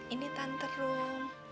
ini tante rum